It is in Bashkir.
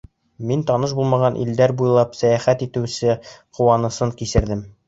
Мин таныш булмаған илдәр буйлап сәйәхәт итеүсе ҡыуанысын кисерҙем.